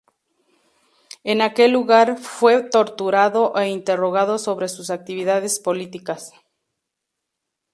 En aquel lugar fue torturado e interrogado sobre sus actividades políticas.